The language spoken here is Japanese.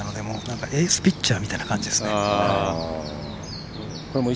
エースピッチャーみたいな感じですね。